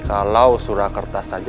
kalau surakerta saja